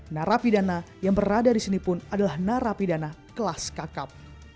narapidana yang berada di sini pun adalah narapidana kelas kakap